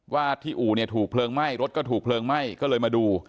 ว่าที่อู่เนี่ยถูกเพลิงไหม้รถก็ถูกเพลิงไหม้ก็เลยมาดู